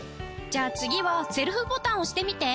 じゃあ次はセルフボタン押してみて。